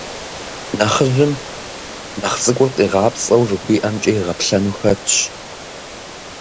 Нэхъыжьым нэхъ цӏыкӏур, къигъапцӏэу, жыхуиӏэмкӏэ игъэплъэну хэтщ.